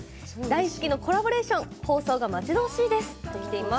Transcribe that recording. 大好きなコラボレーション放送が待ち遠しいです。